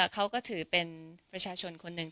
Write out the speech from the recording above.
เขาก็ถือเป็นประชาชนคนหนึ่ง